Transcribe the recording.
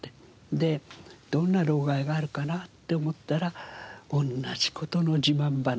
で「どんな老害があるかな？」って思ったら同じ事の自慢話。